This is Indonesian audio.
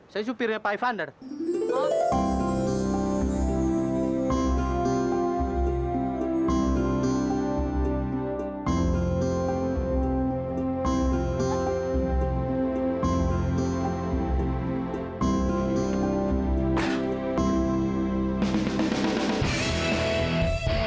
saya supirnya pak evander